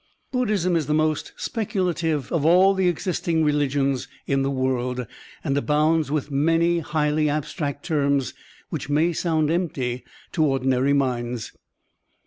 Buddhism is the most speculative of all the existing religions in the world and abounds with many highly abstract terms which may sound empty to ordinary minds.